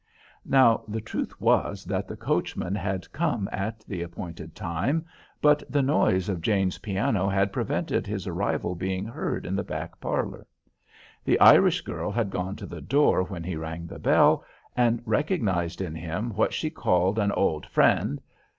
Now, the truth was that the coachman had come at the appointed time, but the noise of Jane's piano had prevented his arrival being heard in the back parlor. The Irish girl had gone to the door when he rang the bell, and recognized in him what she called "an ould friend."